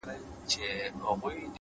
خپل مسیر په باور وټاکئ’